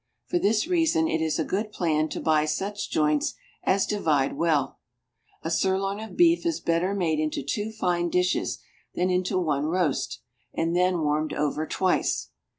For this reason it is a good plan to buy such joints as divide well. A sirloin of beef is better made into two fine dishes than into one roast, and then warmed over twice.